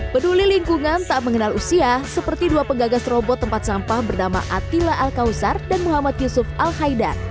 peduli lingkungan tak mengenal usia seperti dua penggagas robot tempat sampah bernama attila alkawzar dan muhammad yusuf al haydan